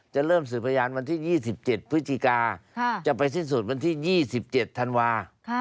จะเริ่มสืบพยานวันที่๒๗พฤศจิกาจะไปสิ้นสุดวันที่๒๗ธันวาคม